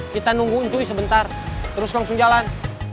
kita nunggu incuy sebentar terus langsung jalan